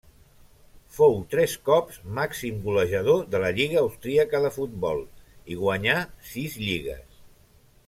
Fou tres cops màxim golejador de la lliga austríaca de futbol i guanyà sis lligues.